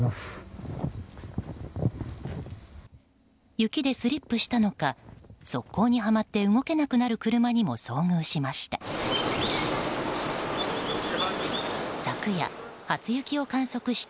雪でスリップしたのか側溝にはまって動けなくなる車にも遭遇しました。